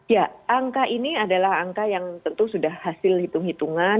ya angka ini adalah angka yang tentu sudah hasil hitung hitungan